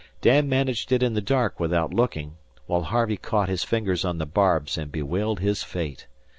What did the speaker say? Dan managed it in the dark, without looking, while Harvey caught his fingers on the barbs and bewailed his fate.